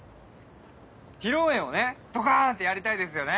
披露宴をねドカンとやりたいですよね。